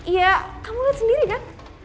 iya kamu liat sendiri kak